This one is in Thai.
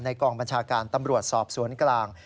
กองบัญชาการตำรวจสอบสวนกลาง